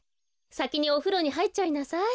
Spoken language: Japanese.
さきにおふろにはいっちゃいなさい。